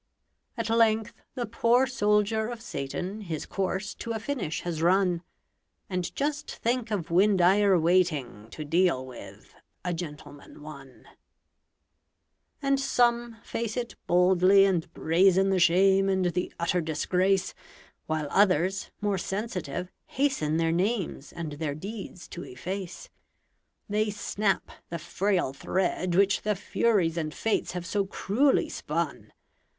At length the poor soldier of Satan His course to a finish has run And just think of Windeyer waiting To deal with "A Gentleman, One"! And some face it boldly, and brazen The shame and the utter disgrace; While others, more sensitive, hasten Their names and their deeds to efface. They snap the frail thread which the Furies And Fates have so cruelly spun.